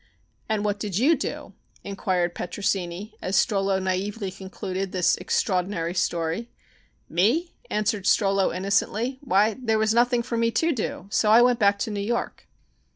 "And what did you do?" inquired Petrosini, as Strollo naïvely concluded this extraordinary story. "Me?" answered Strollo innocently. "Why, there was nothing for me to do, so I went back to New York."